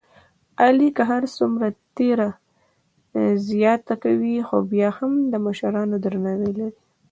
علی که هرڅومره تېره زیاته کوي، خوبیا هم د مشرانو درناوی لري.